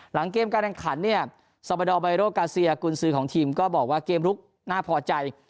หลังเกมการแข่งขันเนี่ยซาบาดอร์ไบโรกาเซียกุญสือของทีมก็บอกว่าเกมลุกน่าพอใจ